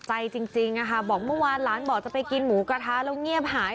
ใจจริงนะคะบอกเมื่อวานหลานบอกจะไปกินหมูกระทะแล้วเงียบหาย